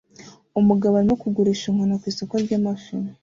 Umugabo arimo kugurisha inkona ku isoko ryamafi